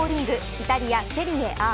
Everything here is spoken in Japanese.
イタリア、セリエＡ。